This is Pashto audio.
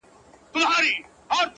• داسي تېر سو لکه خوب وي چا لېدلی -